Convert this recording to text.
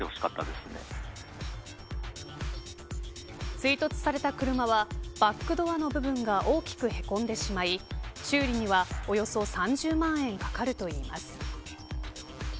追突された車はバックドアの部分が大きくへこんでしまい、修理にはおよそ３０万円かかるといいます。